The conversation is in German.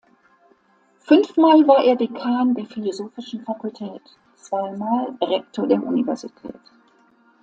Fünfmal war er Dekan der philosophischen Fakultät, zweimal Rektor der Universität.